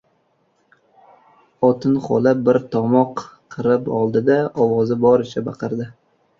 Otin xola bir tomoq qirib oldi-da, ovozi boricha baqirdi: